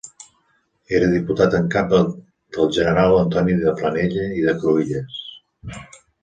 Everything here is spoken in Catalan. Era Diputat en cap del General Antoni de Planella i de Cruïlles.